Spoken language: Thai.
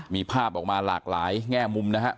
มีภาพออกมาหลากหลายแง่มุมนะครับ